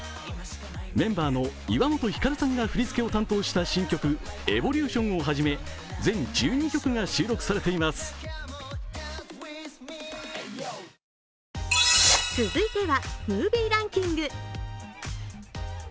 メンバーの岩本照さんが振り付けを担当した新曲、「ＥＶＯＬＵＴＩＯＮ」をはじめ全１２曲が収録されています。